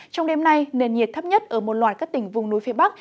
trong đêm nay nền nhiệt thấp nhất ở một loạt các tỉnh vùng núi phía bắc